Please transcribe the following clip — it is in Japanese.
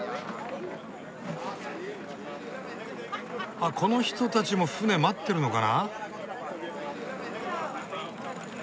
あっこの人たちも船待ってるのかな？